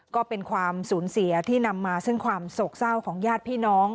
ก็เป็นความสูญเสียที่นำมาซึ่งความโศกเศร้าของญาติพี่น้อง